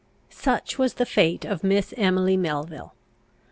Such was the fate of Miss Emily Melville.